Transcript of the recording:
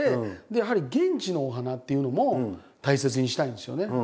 やはり現地のお花っていうのも大切にしたいんですよね。